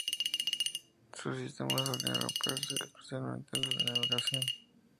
Sus sistemas solían romperse, especialmente los de navegación.